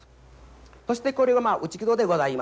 そしてこれが内木戸でございます。